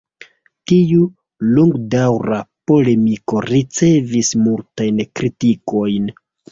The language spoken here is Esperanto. Tiu longdaŭra polemiko ricevis multajn kritikojn.